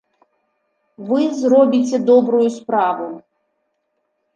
Вы зробіце добрую справу.